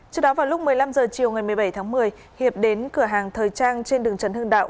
trước đó vào lúc một mươi năm h chiều ngày một mươi bảy tháng một mươi hiệp đến cửa hàng thời trang trên đường trần hưng đạo